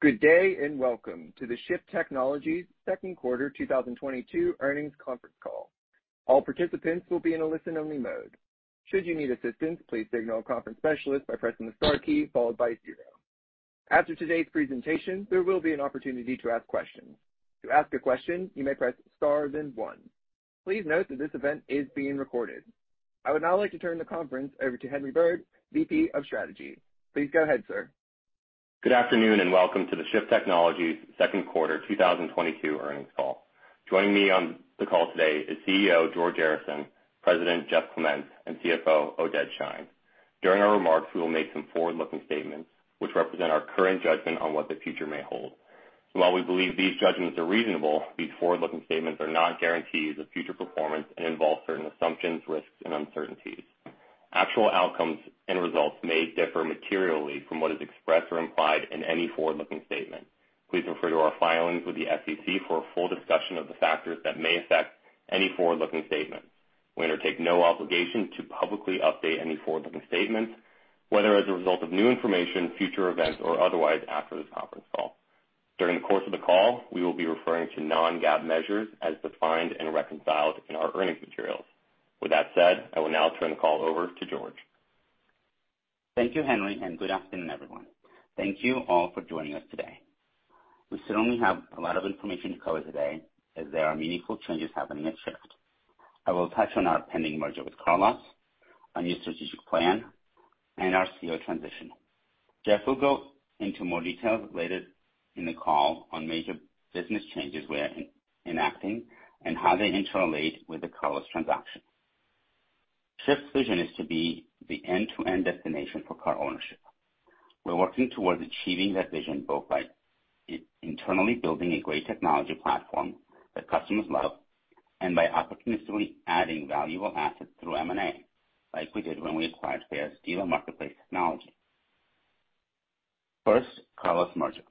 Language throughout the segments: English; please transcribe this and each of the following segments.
Good day, and welcome to the Shift Technologies second quarter 2022 earnings conference call. All participants will be in a listen-only mode. Should you need assistance, please signal a conference specialist by pressing the star key followed by zero. After today's presentation, there will be an opportunity to ask questions. To ask a question, you may press star then one. Please note that this event is being recorded. I would now like to turn the conference over to Henry Bird, VP of Strategy. Please go ahead, sir. Good afternoon, and welcome to the Shift Technologies second quarter 2022 earnings call. Joining me on the call today is CEO George Arison, President Jeff Clementz, and CFO Oded Shein. During our remarks, we will make some forward-looking statements which represent our current judgment on what the future may hold. While we believe these judgments are reasonable, these forward-looking statements are not guarantees of future performance and involve certain assumptions, risks, and uncertainties. Actual outcomes and results may differ materially from what is expressed or implied in any forward-looking statement. Please refer to our filings with the SEC for a full discussion of the factors that may affect any forward-looking statements. We undertake no obligation to publicly update any forward-looking statements, whether as a result of new information, future events, or otherwise after this conference call. During the course of the call, we will be referring to non-GAAP measures as defined and reconciled in our earnings materials. With that said, I will now turn the call over to George. Thank you, Henry, and good afternoon, everyone. Thank you all for joining us today. We certainly have a lot of information to cover today as there are meaningful changes happening at Shift. I will touch on our pending merger with CarLotz, our new strategic plan, and our CEO transition. Jeff will go into more details later in the call on major business changes we are enacting and how they interrelate with the CarLotz transaction. Shift's vision is to be the end-to-end destination for car ownership. We're working towards achieving that vision both by internally building a great technology platform that customers love and by opportunistically adding valuable assets through M&A, like we did when we acquired Fair's dealer marketplace technology. First, CarLotz's merger.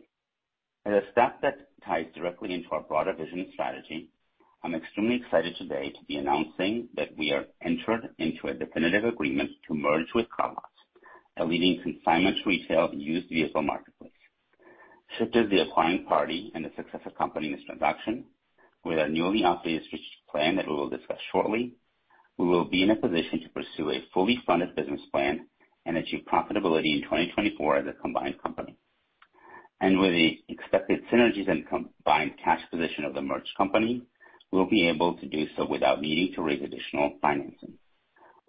As a step that ties directly into our broader vision and strategy, I'm extremely excited today to be announcing that we have entered into a definitive agreement to merge with CarLotz, a leading consignment retail used vehicle marketplace. Shift is the acquiring party in the successor company in this transaction. With our newly updated strategic plan that we will discuss shortly, we will be in a position to pursue a fully funded business plan and achieve profitability in 2024 as a combined company. With the expected synergies and combined cash position of the merged company, we'll be able to do so without needing to raise additional financing.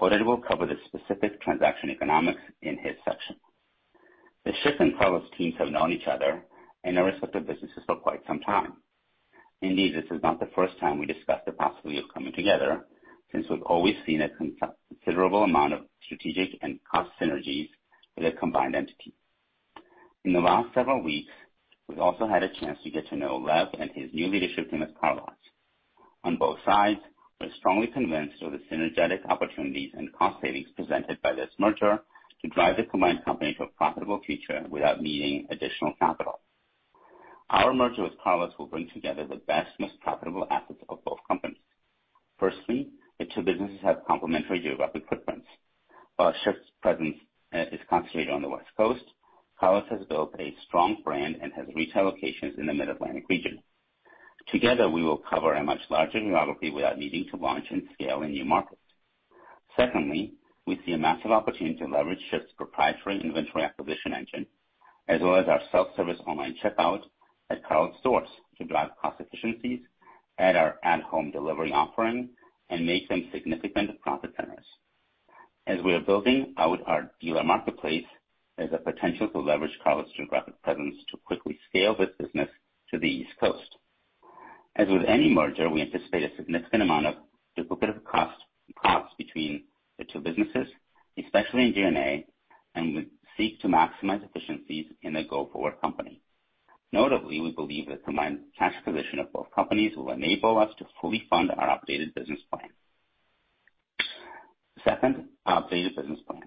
Oded will cover the specific transaction economics in his section. The Shift and CarLotz teams have known each other and our respective businesses for quite some time. Indeed, this is not the first time we discussed the possibility of coming together since we've always seen a considerable amount of strategic and cost synergies with a combined entity. In the last several weeks, we've also had a chance to get to know Lev and his new leadership team at CarLotz. On both sides, we're strongly convinced of the synergetic opportunities and cost savings presented by this merger to drive the combined company to a profitable future without needing additional capital. Our merger with CarLotz will bring together the best, most profitable assets of both companies. Firstly, the two businesses have complementary geographic footprints. While Shift's presence is concentrated on the West Coast, CarLotz has built a strong brand and has retail locations in the Mid-Atlantic region. Together, we will cover a much larger geography without needing to launch and scale in new markets. Secondly, we see a massive opportunity to leverage Shift's proprietary inventory acquisition engine, as well as our self-service online checkout at CarLotz stores to drive cost efficiencies at our at-home delivery offering and make them significant profit centers. As we are building out our dealer marketplace, there's a potential to leverage CarLotz's geographic presence to quickly scale this business to the East Coast. As with any merger, we anticipate a significant amount of duplicate cost, costs between the two businesses, especially in G&A, and we seek to maximize efficiencies in the go-forward company. Notably, we believe the combined cash position of both companies will enable us to fully fund our updated business plan. Second, our updated business plan.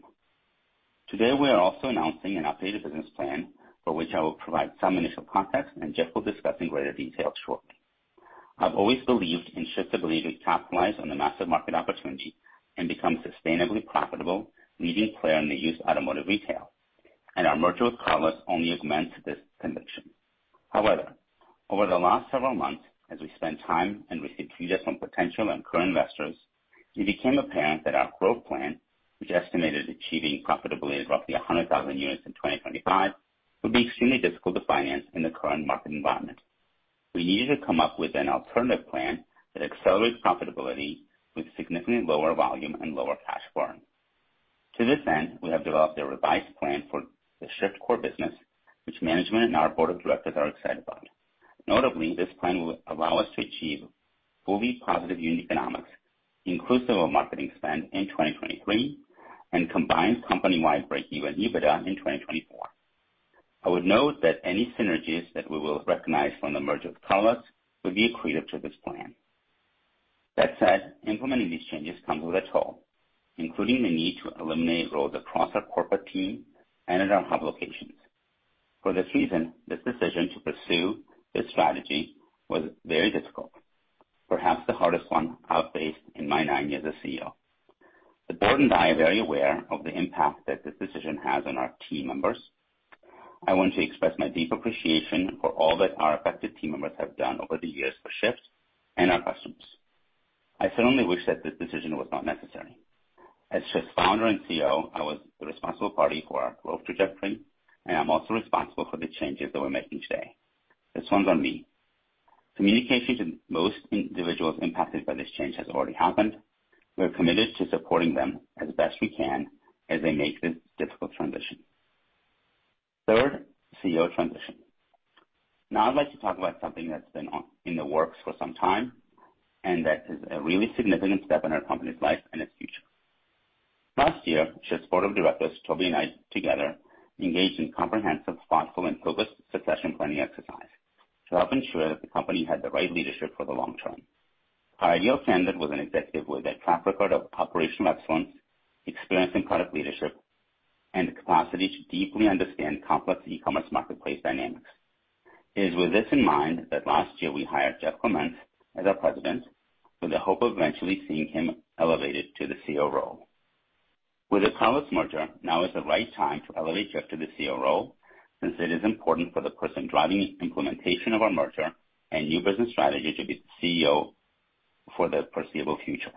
Today, we are also announcing an updated business plan for which I will provide some initial context, and Jeff will discuss in greater detail shortly. I've always believed, and Shift believed, we'd capitalize on the massive market opportunity and become sustainably profitable leading player in the used automotive retail, and our merger with CarLotz only amends this conviction. However, over the last several months, as we spent time and received feedback from potential and current investors, it became apparent that our growth plan, which estimated achieving profitability of roughly 100,000 units in 2025, would be extremely difficult to finance in the current market environment. We needed to come up with an alternative plan that accelerates profitability with significantly lower volume and lower cash burn. To this end, we have developed a revised plan for the Shift core business, which management and our board of directors are excited about. Notably, this plan will allow us to achieve fully positive unit economics inclusive of marketing spend in 2023 and combined company-wide breakeven EBITDA in 2024. I would note that any synergies that we will recognize from the merger with CarLotz will be accretive to this plan. That said, implementing these changes comes with a toll, including the need to eliminate roles across our corporate team and at our hub locations. For this reason, this decision to pursue this strategy was very difficult, perhaps the hardest one I've faced in my nine years as CEO. The board and I are very aware of the impact that this decision has on our team members. I want to express my deep appreciation for all that our affected team members have done over the years for Shift and our customers. I firmly wish that this decision was not necessary. As Shift's founder and CEO, I was the responsible party for our growth trajectory, and I'm also responsible for the changes that we're making today. This one's on me. Communication to most individuals impacted by this change has already happened. We are committed to supporting them as best we can as they make this difficult transition. Third, CEO transition. Now I'd like to talk about something that's been in the works for some time, and that is a really significant step in our company's life and its future. Last year, Shift's board of directors, Toby and I, together engaged in comprehensive, thoughtful, and focused succession planning exercise to help ensure that the company had the right leadership for the long term. Our ideal candidate was an executive with a track record of operational excellence, experience in product leadership, and the capacity to deeply understand complex e-commerce marketplace dynamics. It is with this in mind that last year we hired Jeff Clementz as our President with the hope of eventually seeing him elevated to the CEO role. With the CarLotz merger, now is the right time to elevate Jeff Clementz to the CEO role since it is important for the person driving implementation of our merger and new business strategy to be CEO for the foreseeable future.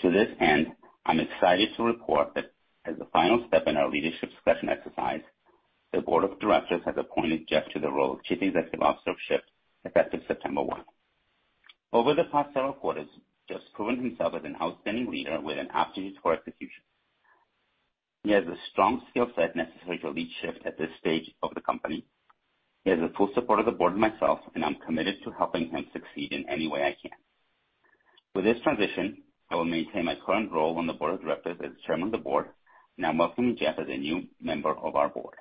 To this end, I'm excited to report that as a final step in our leadership discussion exercise, the board of directors has appointed Jeff Clementz to the role of Chief Executive Officer of Shift effective September 1. Over the past several quarters, Jeff's proven himself as an outstanding leader with an aptitude for execution. He has a strong skill set necessary to lead Shift at this stage of the company. He has the full support of the board and myself, and I'm committed to helping him succeed in any way I can. With this transition, I will maintain my current role on the board of directors as chairman of the board, and I'm welcoming Jeff as a new member of our board.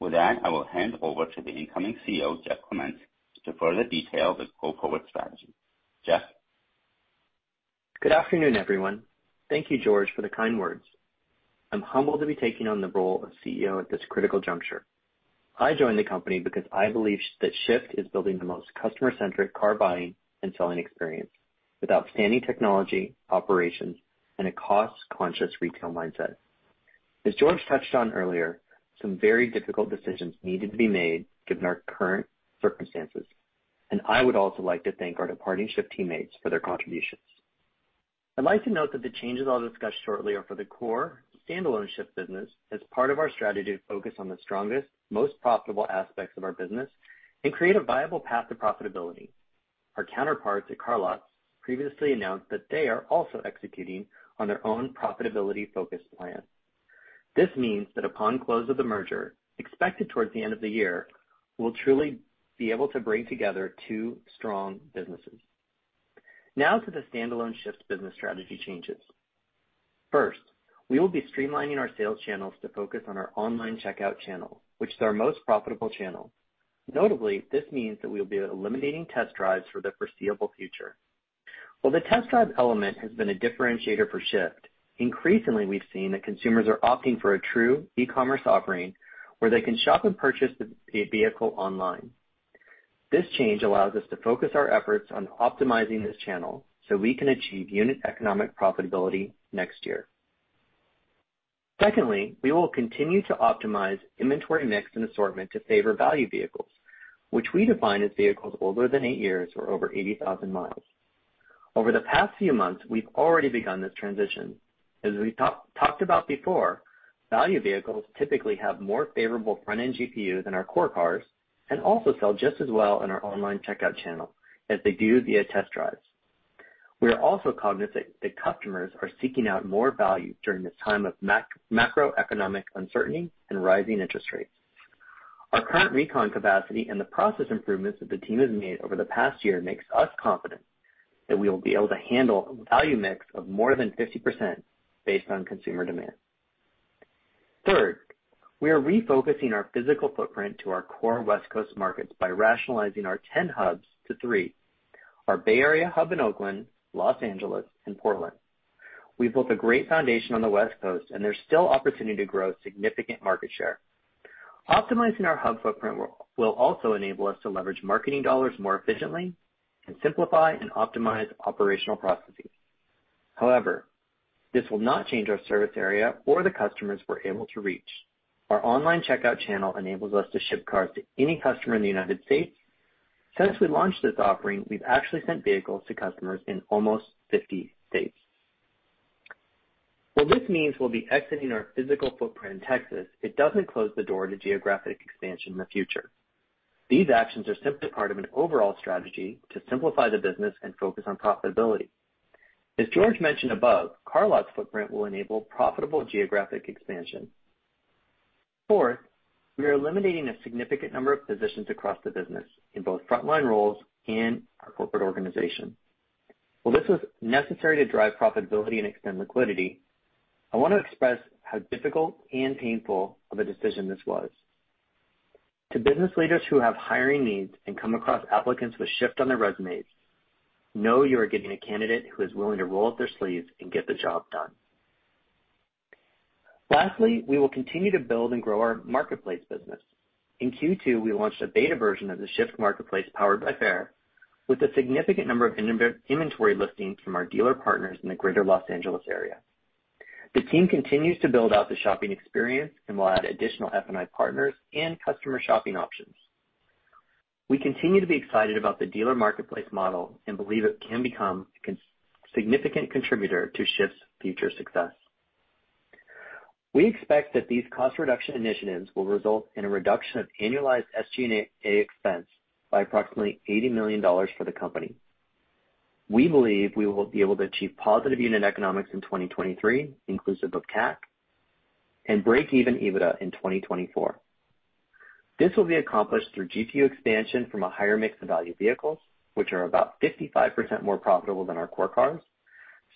With that, I will hand over to the incoming CEO, Jeff Clementz, to further detail the go-forward strategy. Jeff? Good afternoon, everyone. Thank you, George, for the kind words. I'm humbled to be taking on the role of CEO at this critical juncture. I joined the company because I believe that Shift is building the most customer-centric car buying and selling experience with outstanding technology, operations, and a cost-conscious retail mindset. As George touched on earlier, some very difficult decisions needed to be made given our current circumstances, and I would also like to thank our departing Shift teammates for their contributions. I'd like to note that the changes I'll discuss shortly are for the core standalone Shift business as part of our strategy to focus on the strongest, most profitable aspects of our business and create a viable path to profitability. Our counterparts at CarLotz previously announced that they are also executing on their own profitability-focused plan. This means that upon close of the merger, expected towards the end of the year, we'll truly be able to bring together two strong businesses. Now to the standalone Shift business strategy changes. First, we will be streamlining our sales channels to focus on our online checkout channel, which is our most profitable channel. Notably, this means that we'll be eliminating test drives for the foreseeable future. While the test drive element has been a differentiator for Shift, increasingly, we've seen that consumers are opting for a true e-commerce offering where they can shop and purchase the vehicle online. This change allows us to focus our efforts on optimizing this channel so we can achieve unit economic profitability next year. Secondly, we will continue to optimize inventory mix and assortment to favor value vehicles, which we define as vehicles older than eight years or over 80,000 mi. Over the past few months, we've already begun this transition. As we talked about before, value vehicles typically have more favorable front-end GPU than our core cars and also sell just as well in our online checkout channel as they do via test drives. We are also cognizant that customers are seeking out more value during this time of macroeconomic uncertainty and rising interest rates. Our current recon capacity and the process improvements that the team has made over the past year makes us confident that we will be able to handle value mix of more than 50% based on consumer demand. Third, we are refocusing our physical footprint to our core West Coast markets by rationalizing our 10 hubs to three, our Bay Area hub in Oakland, Los Angeles, and Portland. We've built a great foundation on the West Coast, and there's still opportunity to grow significant market share. Optimizing our hub footprint will also enable us to leverage marketing dollars more efficiently and simplify and optimize operational processes. However, this will not change our service area or the customers we're able to reach. Our online checkout channel enables us to ship cars to any customer in the United States. Since we launched this offering, we've actually sent vehicles to customers in almost 50 states. While this means we'll be exiting our physical footprint in Texas, it doesn't close the door to geographic expansion in the future. These actions are simply part of an overall strategy to simplify the business and focus on profitability. As George mentioned above, CarLotz footprint will enable profitable geographic expansion. Fourth, we are eliminating a significant number of positions across the business in both frontline roles and our corporate organization. While this was necessary to drive profitability and extend liquidity, I wanna express how difficult and painful of a decision this was. To business leaders who have hiring needs and come across applicants with Shift on their resumes, know you are getting a candidate who is willing to roll up their sleeves and get the job done. Lastly, we will continue to build and grow our marketplace business. In Q2, we launched a beta version of the Shift marketplace powered by Fair, with a significant number of inventory listings from our dealer partners in the Greater Los Angeles area. The team continues to build out the shopping experience and will add additional F&I partners and customer shopping options. We continue to be excited about the dealer marketplace model and believe it can become a significant contributor to Shift's future success. We expect that these cost reduction initiatives will result in a reduction of annualized SG&A expense by approximately $80 million for the company. We believe we will be able to achieve positive unit economics in 2023, inclusive of CAC, and break-even EBITDA in 2024. This will be accomplished through GPU expansion from a higher mix of value vehicles, which are about 55% more profitable than our core cars.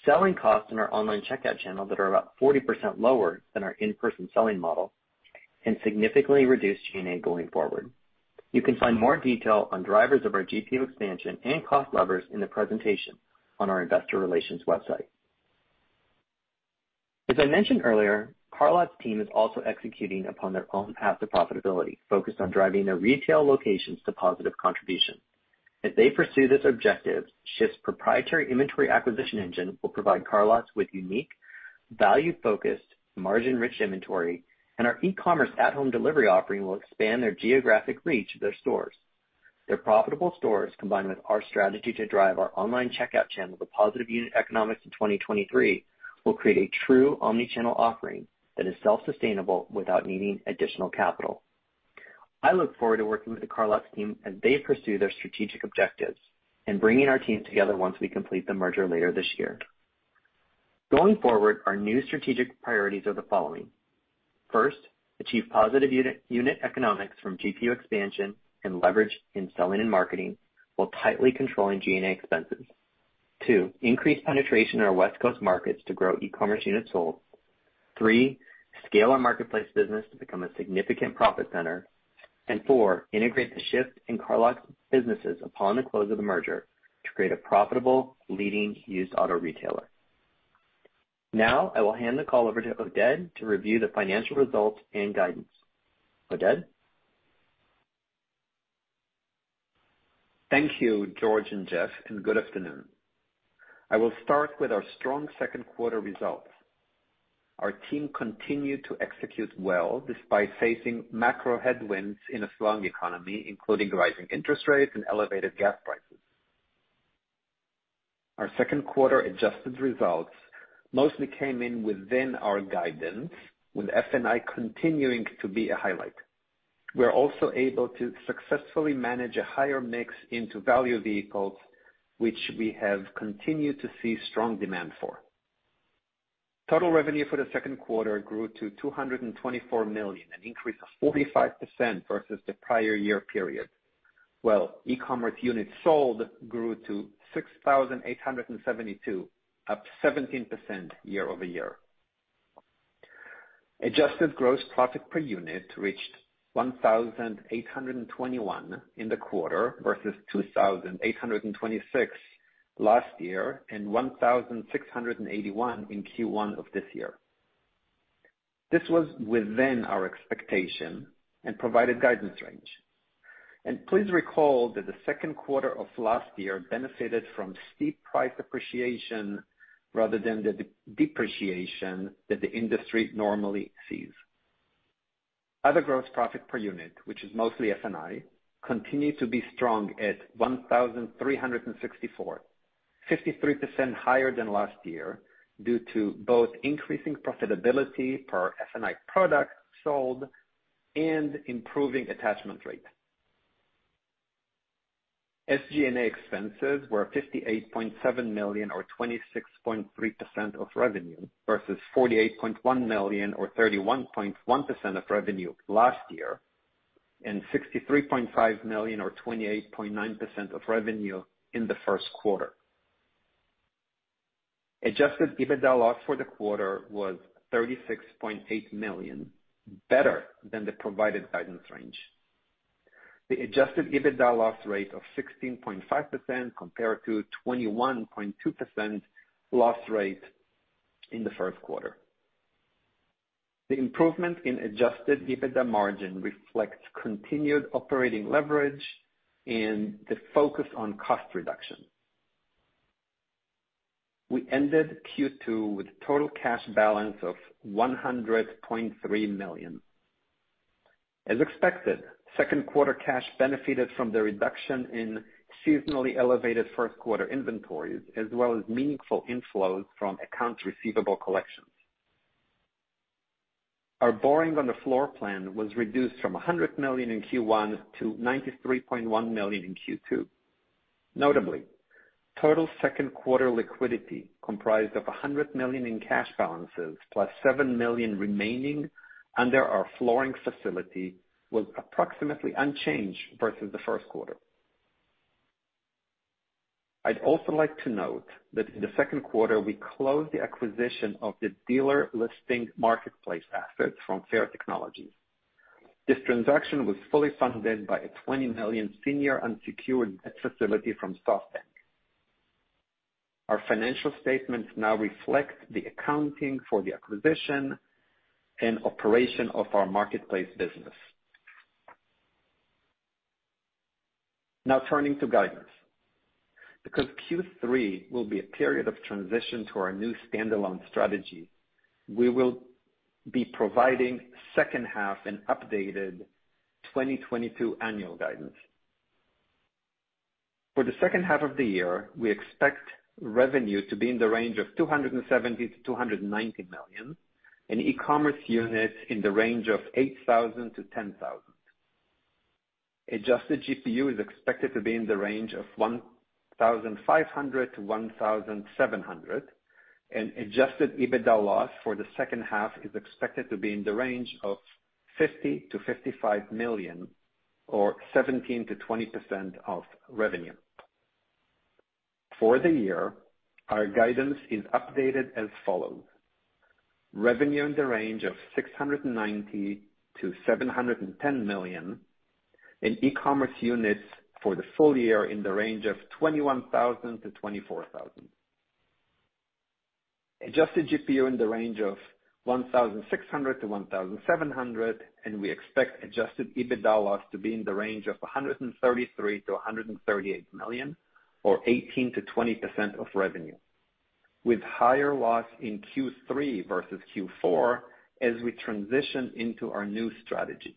Selling costs in our online checkout channel that are about 40% lower than our in-person selling model can significantly reduce G&A going forward. You can find more detail on drivers of our GPU expansion and cost levers in the presentation on our investor relations website. As I mentioned earlier, CarLotz team is also executing upon their own path to profitability, focused on driving their retail locations to positive contribution. As they pursue this objective, Shift's proprietary inventory acquisition engine will provide CarLotz with unique, value-focused, margin-rich inventory, and our e-commerce at home delivery offering will expand their geographic reach of their stores. Their profitable stores, combined with our strategy to drive our online checkout channel with positive unit economics in 2023, will create a true omni-channel offering that is self-sustainable without needing additional capital. I look forward to working with the CarLotz team as they pursue their strategic objectives and bringing our teams together once we complete the merger later this year. Going forward, our new strategic priorities are the following. First, achieve positive unit economics from GPU expansion and leverage in selling and marketing while tightly controlling G&A expenses. Two, increase penetration in our West Coast markets to grow e-commerce units sold. Three, scale our marketplace business to become a significant profit center. Four, integrate the Shift and CarLotz businesses upon the close of the merger to create a profitable leading used auto retailer. Now I will hand the call over to Oded to review the financial results and guidance. Oded? Thank you, George and Jeff, and good afternoon. I will start with our strong second quarter results. Our team continued to execute well despite facing macro headwinds in a slowing economy, including rising interest rates and elevated gas prices. Our second quarter adjusted results mostly came in within our guidance, with F&I continuing to be a highlight. We are also able to successfully manage a higher mix into value vehicles, which we have continued to see strong demand for. Total revenue for the second quarter grew to $224 million, an increase of 45% versus the prior year period, while e-commerce units sold grew to 6,872, up 17% year-over-year. Adjusted gross profit per unit reached 1,821 in the quarter versus 2,826 last year and 1,681 in Q1 of this year. This was within our expectation and provided guidance range. Please recall that the second quarter of last year benefited from steep price appreciation rather than the depreciation that the industry normally sees. Other gross profit per unit, which is mostly F&I, continued to be strong at 1,364, 53% higher than last year, due to both increasing profitability per F&I product sold and improving attachment rate. SG&A expenses were $58.7 million or 26.3% of revenue versus $48.1 million or 31.1% of revenue last year, and $63.5 million or 28.9% of revenue in the first quarter. Adjusted EBITDA loss for the quarter was $36.8 million, better than the provided guidance range. The adjusted EBITDA loss rate of 16.5% compared to 21.2% loss rate in the first quarter. The improvement in adjusted EBITDA margin reflects continued operating leverage and the focus on cost reduction. We ended Q2 with total cash balance of $100.3 million. As expected, second quarter cash benefited from the reduction in seasonally elevated first quarter inventories, as well as meaningful inflows from accounts receivable collections. Our borrowing on the floor plan was reduced from $100 million in Q1 to $93.1 million in Q2. Notably, total second quarter liquidity comprised of $100 million in cash balances plus $7 million remaining under our flooring facility was approximately unchanged versus the first quarter. I'd also like to note that in the second quarter, we closed the acquisition of the dealer listing marketplace assets from Fair Technologies. This transaction was fully funded by a $20 million senior unsecured debt facility from SoftBank. Our financial statements now reflect the accounting for the acquisition and operation of our marketplace business. Now turning to guidance. Because Q3 will be a period of transition to our new standalone strategy, we will be providing second half and updated 2022 annual guidance. For the second half of the year, we expect revenue to be in the range of $270 million-$290 million, and e-commerce units in the range of 8,000-10,000. Adjusted GPU is expected to be in the range of $1,500-$1,700, and adjusted EBITDA loss for the second half is expected to be in the range of $50 million-$55 million or 17%-20% of revenue. For the year, our guidance is updated as follows. Revenue in the range of $690 million-$710 million, and e-commerce units for the full year in the range of 21,000-24,000. Adjusted GPU in the range of 1,600-1,700, and we expect adjusted EBITDA loss to be in the range of $133 million-$138 million or 18%-20% of revenue, with higher loss in Q3 versus Q4 as we transition into our new strategy.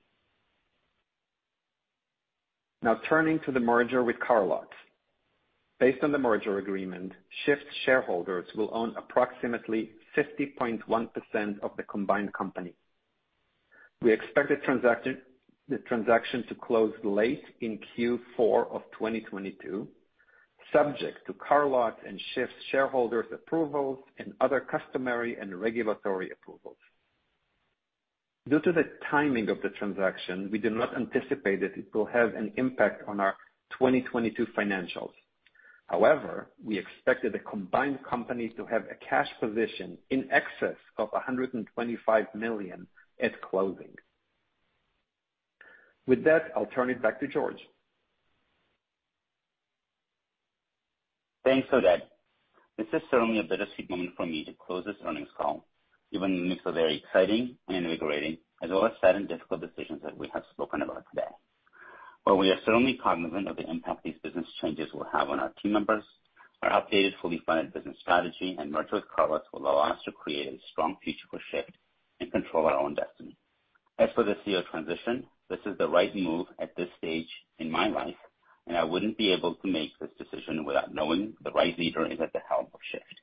Now turning to the merger with CarLotz. Based on the merger agreement, Shift shareholders will own approximately 50.1% of the combined company. We expect the transaction to close late in Q4 of 2022, subject to CarLotz and Shift shareholders approvals and other customary and regulatory approvals. Due to the timing of the transaction, we do not anticipate that it will have an impact on our 2022 financials. However, we expect that the combined company to have a cash position in excess of $125 million at closing. With that, I'll turn it back to George. Thanks, Oded. This is certainly a bittersweet moment for me to close this earnings call, given the mix of very exciting and invigorating, as well as sad and difficult decisions that we have spoken about today. While we are certainly cognizant of the impact these business changes will have on our team members, our updated fully-funded business strategy and merger with CarLotz will allow us to create a strong future for Shift and control our own destiny. As for the CEO transition, this is the right move at this stage in my life, and I wouldn't be able to make this decision without knowing the right leader is at the helm of Shift.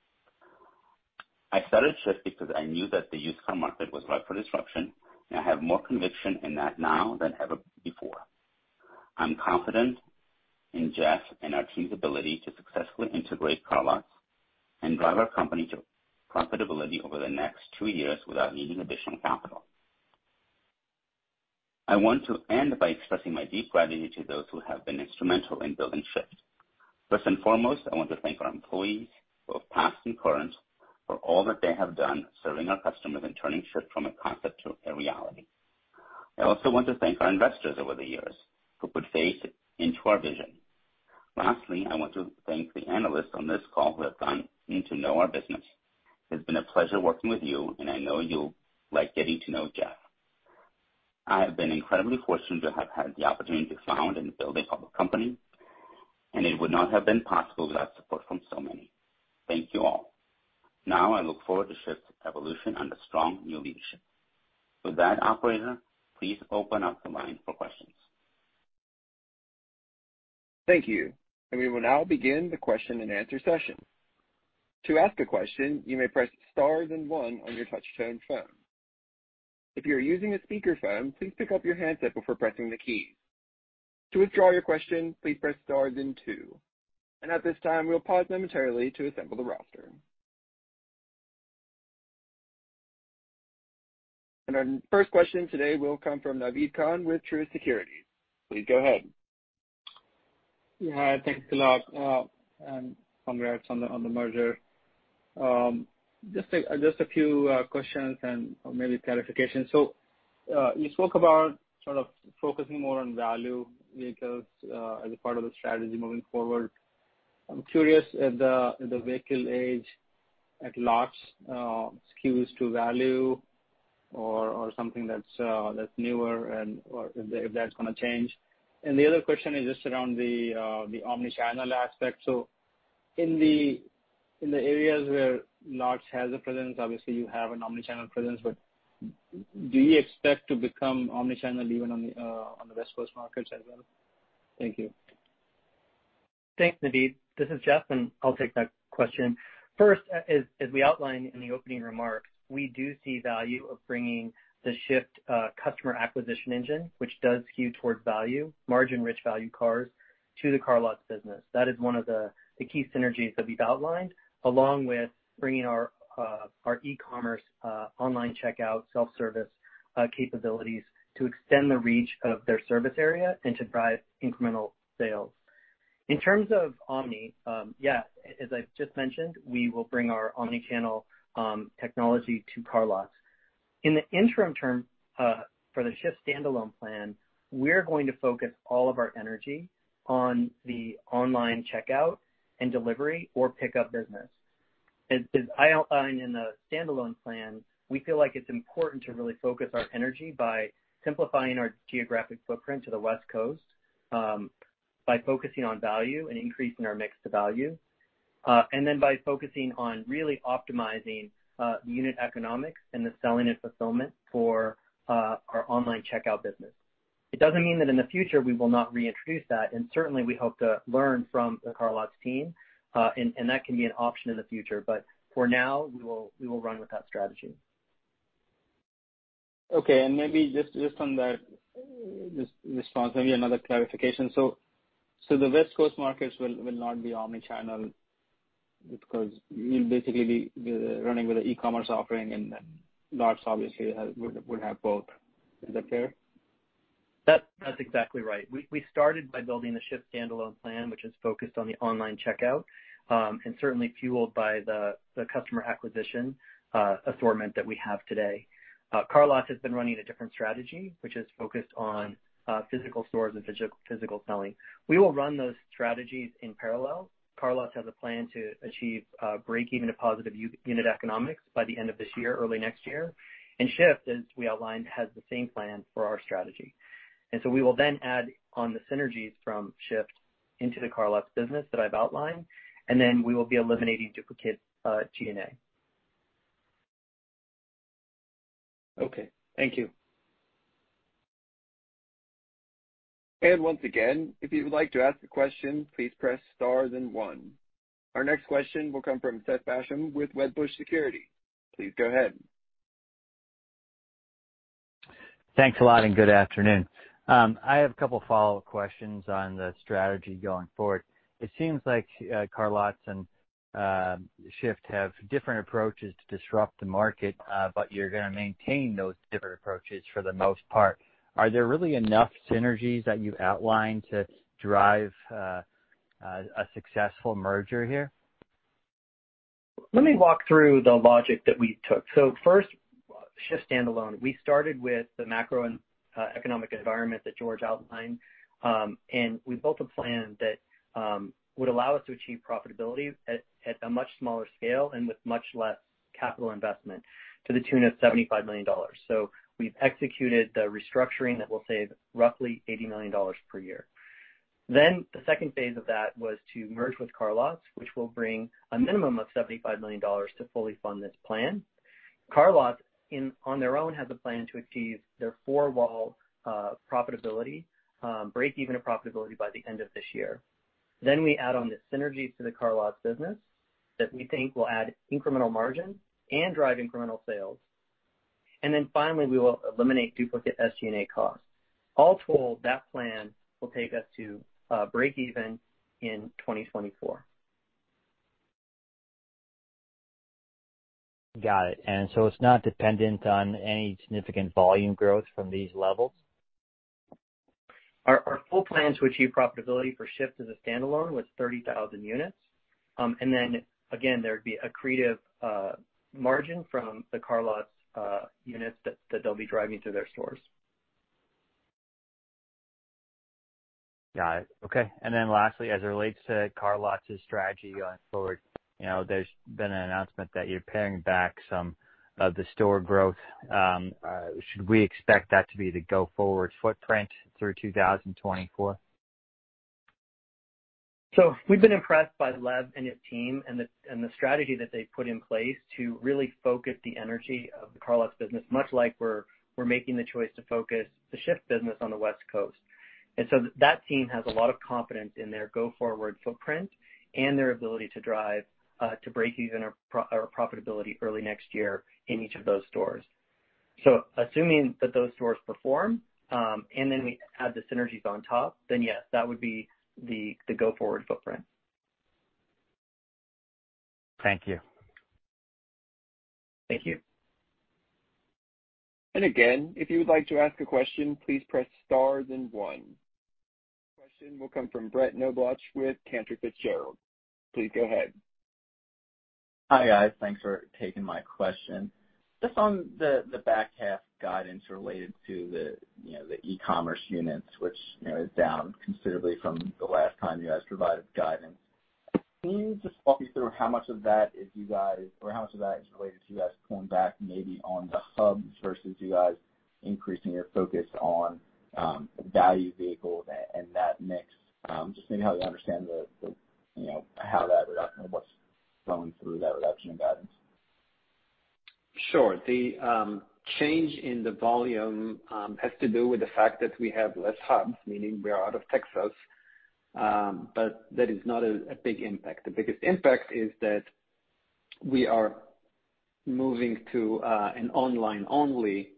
I started Shift because I knew that the used car market was right for disruption, and I have more conviction in that now than ever before. I'm confident in Jeff and our team's ability to successfully integrate CarLotz and drive our company to profitability over the next two years without needing additional capital. I want to end by expressing my deep gratitude to those who have been instrumental in building Shift. First and foremost, I want to thank our employees, both past and current, for all that they have done serving our customers and turning Shift from a concept to a reality. I also want to thank our investors over the years who put faith into our vision. Lastly, I want to thank the analysts on this call who have gotten to know our business. It's been a pleasure working with you, and I know you'll like getting to know Jeff. I have been incredibly fortunate to have had the opportunity to found and build a public company, and it would not have been possible without support from so many. Thank you all. Now I look forward to Shift's evolution under strong new leadership. With that, operator, please open up the line for questions. Thank you. We will now begin the question-and-answer session. To ask a question, you may press star then one on your touch-tone phone. If you are using a speakerphone, please pick up your handset before pressing the key. To withdraw your question, please press star then two. At this time, we'll pause momentarily to assemble the roster. Our first question today will come from Naved Khan with Truist Securities. Please go ahead. Yeah, thanks a lot, and congrats on the merger. Just a few questions and maybe clarifications. You spoke about sort of focusing more on value vehicles as a part of the strategy moving forward. I'm curious if the vehicle age at Lotz skews to value or something that's newer and/or if that's gonna change. The other question is just around the omni-channel aspect. In the areas where Lotz has a presence, obviously you have an omni-channel presence, but do you expect to become omni-channel even on the West Coast markets as well? Thank you. Thanks, Naved. This is Jeff, and I'll take that question. First, as we outlined in the opening remarks, we do see value of bringing the Shift customer acquisition engine, which does skew towards value, margin-rich value cars, to the CarLotz business. That is one of the key synergies that we've outlined, along with bringing our e-commerce online checkout self-service capabilities to extend the reach of their service area and to drive incremental sales. In terms of omni, as I just mentioned, we will bring our omni-channel technology to CarLotz. In the interim term, for the Shift standalone plan, we're going to focus all of our energy on the online checkout and delivery or pickup business. As I outlined in the standalone plan, we feel like it's important to really focus our energy by simplifying our geographic footprint to the West Coast, by focusing on value and increasing our mix to value, and then by focusing on really optimizing the unit economics and the selling and fulfillment for our online checkout business. It doesn't mean that in the future we will not reintroduce that, and certainly we hope to learn from the CarLotz team, and that can be an option in the future. For now, we will run with that strategy. Okay. Maybe just on that response, maybe another clarification. The West Coast markets will not be omni-channel because you'll basically be running with an e-commerce offering, and then Lotz obviously would have both. Is that fair? That's exactly right. We started by building the Shift standalone plan, which is focused on the online checkout, and certainly fueled by the customer acquisition assortment that we have today. CarLotz has been running a different strategy, which is focused on physical stores and physical selling. We will run those strategies in parallel. CarLotz has a plan to achieve breakeven to positive unit economics by the end of this year, early next year. Shift, as we outlined, has the same plan for our strategy. We will then add on the synergies from Shift into the CarLotz business that I've outlined, and then we will be eliminating duplicate G&A. Okay, thank you. Once again, if you would like to ask a question, please press star then one. Our next question will come from Seth Basham with Wedbush Securities. Please go ahead. Thanks a lot, and good afternoon. I have a couple follow-up questions on the strategy going forward. It seems like CarLotz and Shift have different approaches to disrupt the market, but you're gonna maintain those different approaches for the most part. Are there really enough synergies that you outlined to drive a successful merger here? Let me walk through the logic that we took. First, Shift standalone. We started with the macro and economic environment that George outlined, and we built a plan that would allow us to achieve profitability at a much smaller scale and with much less capital investment to the tune of $75 million. We've executed the restructuring that will save roughly $80 million per year. The second phase of that was to merge with CarLotz, which will bring a minimum of $75 million to fully fund this plan. CarLotz on their own has a plan to achieve their four-wall profitability, breakeven to profitability by the end of this year. We add on the synergies to the CarLotz business that we think will add incremental margin and drive incremental sales. Finally, we will eliminate duplicate SG&A costs. All told, that plan will take us to breakeven in 2024. Got it. It's not dependent on any significant volume growth from these levels? Our full plan to achieve profitability for Shift as a standalone was 30,000 units. Then again, there'd be accretive margin from the CarLotz units that they'll be driving through their stores. Got it. Okay. Lastly, as it relates to CarLotz's strategy going forward, you know, there's been an announcement that you're paring back some of the store growth. Should we expect that to be the go-forward footprint through 2024? We've been impressed by Lev and his team and the strategy that they've put in place to really focus the energy of the CarLotz business, much like we're making the choice to focus the Shift business on the West Coast. That team has a lot of confidence in their go-forward footprint and their ability to drive to breakeven our profitability early next year in each of those stores. Assuming that those stores perform, and then we add the synergies on top, then yes, that would be the go-forward footprint. Thank you. Thank you. Again, if you would like to ask a question, please press star then one. Question will come from Brett Knoblauch with Cantor Fitzgerald. Please go ahead. Hi, guys. Thanks for taking my question. Just on the back half guidance related to, you know, the e-commerce units, which you know is down considerably from the last time you guys provided guidance. Can you just walk me through how much of that is you guys or how much of that is related to you guys pulling back maybe on the hubs versus you guys increasing your focus on, value vehicles and that mix, just maybe how to understand the, you know, how that reduction and what's flowing through that reduction in guidance? Sure. The change in the volume has to do with the fact that we have less hubs, meaning we are out of Texas, but that is not a big impact. The biggest impact is that we are moving to an online-only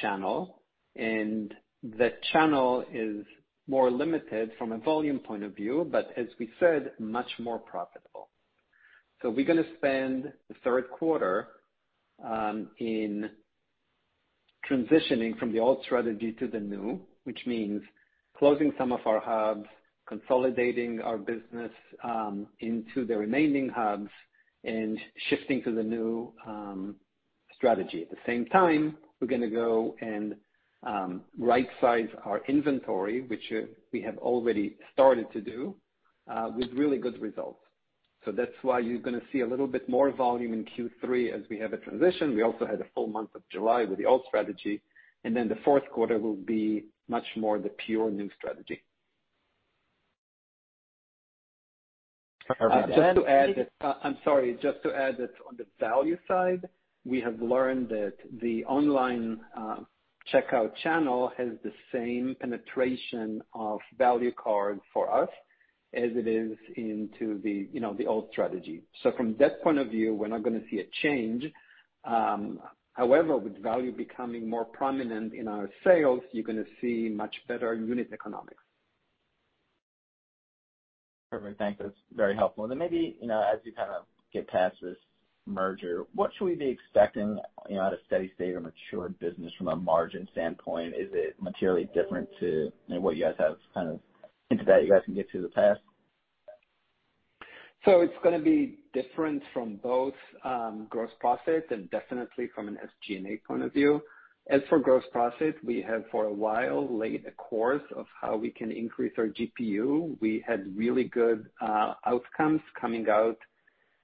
channel, and that channel is more limited from a volume point of view, but as we said, much more profitable. We're gonna spend the third quarter in transitioning from the old strategy to the new, which means closing some of our hubs, consolidating our business into the remaining hubs and shifting to the new strategy. At the same time, we're gonna go and right size our inventory, which we have already started to do with really good results. That's why you're gonna see a little bit more volume in Q3 as we have a transition. We also had a full month of July with the old strategy, and then the fourth quarter will be much more the pure new strategy. Perfect. Just to add that on the value side, we have learned that the online checkout channel has the same penetration of value card for us as it is in the, you know, the old strategy. From that point of view, we're not gonna see a change. However, with value becoming more prominent in our sales, you're gonna see much better unit economics. Perfect. Thanks. That's very helpful. Maybe, you know, as we kinda get past this merger, what should we be expecting, you know, at a steady state or mature business from a margin standpoint? Is it materially different to, you know, what you guys have kind of hinted at you guys can get to the past? It's gonna be different from both, gross profit and definitely from an SG&A point of view. As for gross profit, we have for a while laid a course of how we can increase our GPU. We had really good outcomes coming out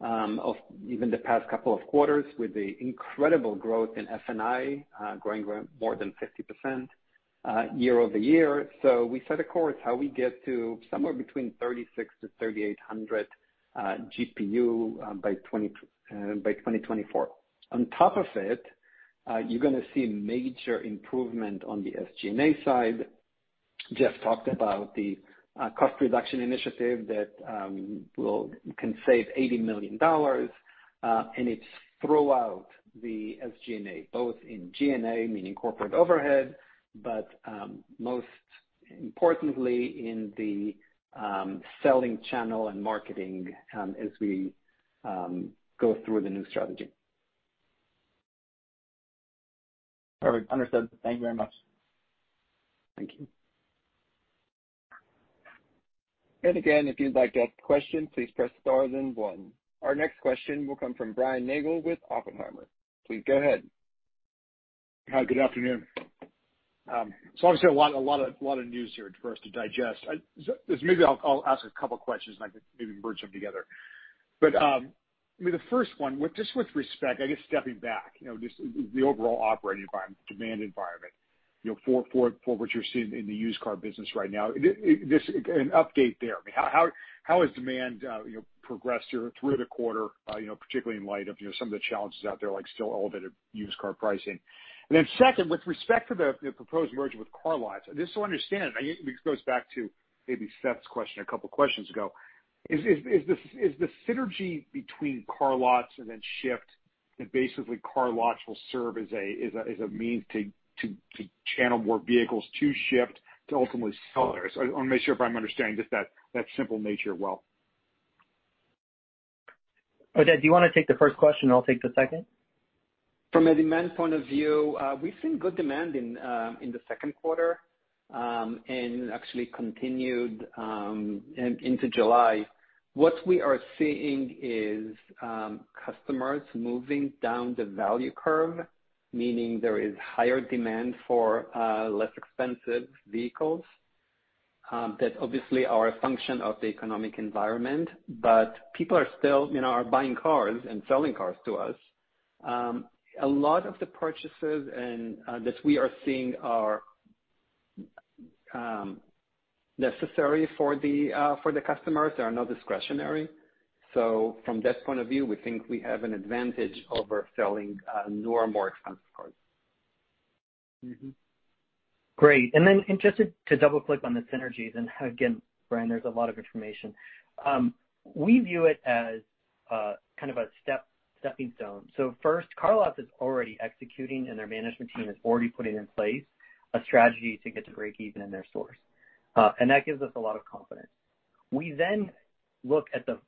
of even the past couple of quarters with the incredible growth in F&I, growing more than 50% year-over-year. We set a course how we get to somewhere between $3,600-$3,800 GPU by 2024. On top of it, you're gonna see major improvement on the SG&A side. Jeff talked about the cost reduction initiative that can save $80 million, and it's throughout the SG&A, both in G&A, meaning corporate overhead, but most importantly in the selling channel and marketing, as we go through the new strategy. Perfect. Understood. Thank you very much. Thank you. Again, if you'd like to ask a question, please press star then one. Our next question will come from Brian Nagel with Oppenheimer. Please go ahead. Hi, good afternoon. Obviously a lot of news here for us to digest. Maybe I'll ask a couple questions, and I can maybe merge them together. I mean, the first one, with respect, I guess stepping back, you know, just the overall operating environment, demand environment, you know, for what you're seeing in the used car business right now. An update there. How has demand, you know, progressed through the quarter, you know, particularly in light of, you know, some of the challenges out there, like still elevated used car pricing? And then second, with respect to the proposed merger with CarLotz, just so I understand, this goes back to maybe Seth's question a couple questions ago. Is the synergy between CarLotz and then Shift that basically CarLotz will serve as a means to channel more vehicles to Shift to ultimately sellers? I wanna make sure if I'm understanding just that simple nature well. Oded, do you wanna take the first question and I'll take the second? From a demand point of view, we've seen good demand in the second quarter and actually continued into July. What we are seeing is customers moving down the value curve, meaning there is higher demand for less expensive vehicles that obviously are a function of the economic environment. People are still, you know, buying cars and selling cars to us. A lot of the purchases and that we are seeing are necessary for the customers. They are not discretionary. From that point of view, we think we have an advantage over selling newer, more expensive cars. Great. Then interested to double-click on the synergies and again, Brian, there's a lot of information. We view it as kind of a stepping stone. First, CarLotz is already executing, and their management team has already put in place a strategy to get to breakeven in their stores. That gives us a lot of confidence. We then look at the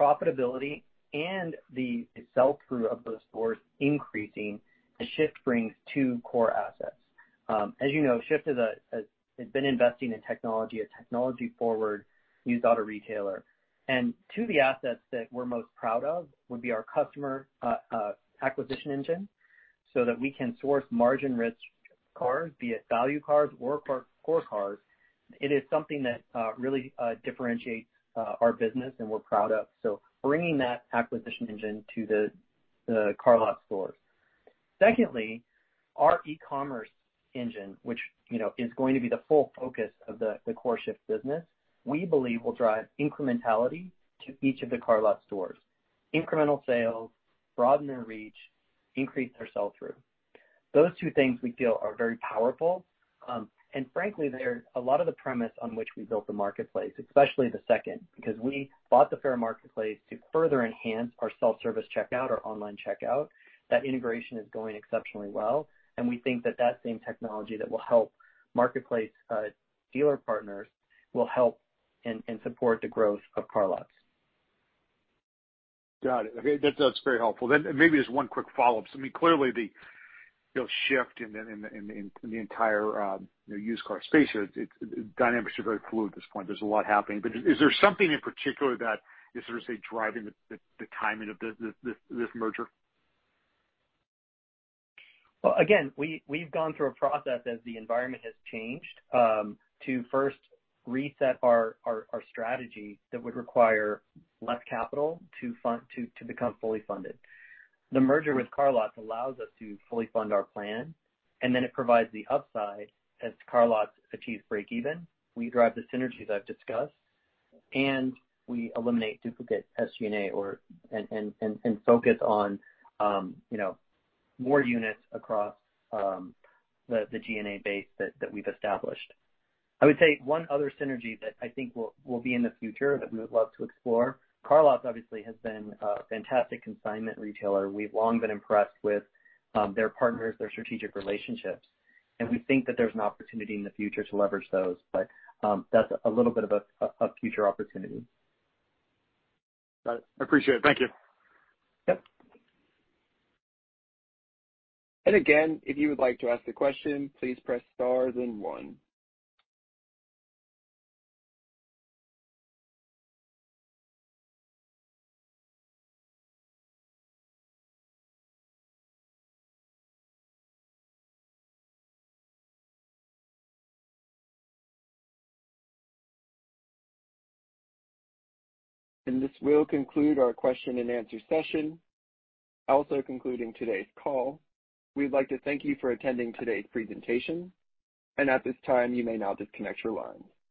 profitability and the sell-through of those stores increasing, and Shift brings two core assets. As you know, Shift has been investing in technology, a technology forward used auto retailer. Two of the assets that we're most proud of would be our customer acquisition engine, so that we can source margin-rich cars, be it value cars or core cars. It is something that really differentiates our business and we're proud of. Bringing that acquisition engine to the CarLotz stores. Secondly, our e-commerce engine, which, you know, is going to be the full focus of the core Shift business, we believe will drive incrementality to each of the CarLotz stores. Incremental sales, broaden their reach, increase their sell-through. Those two things we feel are very powerful. Frankly, they're a lot of the premise on which we built the marketplace, especially the second, because we bought the Fair marketplace to further enhance our self-service checkout, our online checkout. That integration is going exceptionally well. We think that that same technology that will help marketplace dealer partners will help and support the growth of CarLotz. Got it. Okay, that's very helpful. Maybe just one quick follow-up. I mean, clearly the shift in the entire used car space here, its dynamics are very fluid at this point. There's a lot happening. Is there something in particular that is sort of, say, driving the timing of this merger? Well, again, we've gone through a process as the environment has changed to first reset our strategy that would require less capital to become fully funded. The merger with CarLotz allows us to fully fund our plan, and then it provides the upside as CarLotz achieves breakeven. We drive the synergies I've discussed, and we eliminate duplicate SG&A and focus on, you know, more units across the G&A base that we've established. I would say one other synergy that I think will be in the future that we would love to explore. CarLotz obviously has been a fantastic consignment retailer. We've long been impressed with their partners, their strategic relationships, and we think that there's an opportunity in the future to leverage those. That's a little bit of a future opportunity. Got it. I appreciate it. Thank you. Yep. Again, if you would like to ask a question, please press star then one. This will conclude our question and answer session, also concluding today's call. We'd like to thank you for attending today's presentation. At this time, you may now disconnect your lines.